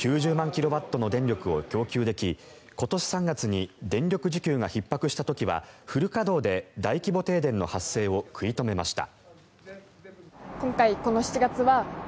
キロワットの電力を供給でき今年３月に電力需給がひっ迫した時はフル稼働で大規模停電の発生を食い止めました。